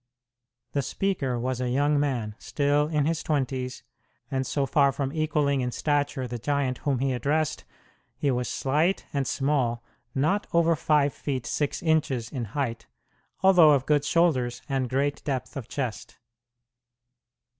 The speaker was a young man, still in his twenties; and so far from equaling in stature the giant whom he addressed, he was slight and small, not over five feet six inches in height, although of good shoulders and great depth of chest.